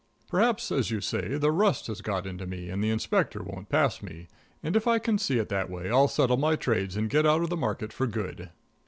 Perhaps, as you say, the rust has got into me and the Inspector won't pass me, and if I can see it that way I'll settle my trades and get out of the market for good."